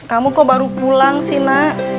kamu kok baru pulang sih nak